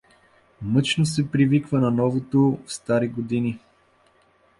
Мъчно се привиква на новото в стари години.